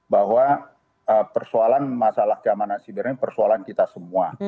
bahwa persoalan masalah keamanan sibernya persoalan kita semua